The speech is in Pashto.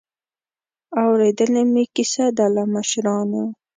اورېدلې مې کیسه ده له مشرانو.